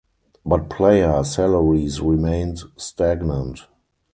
But player salaries remained stagnant.